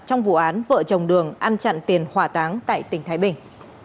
trong vụ án vợ chồng đường ăn chặn tiền hỏa táng tại tỉnh thái bình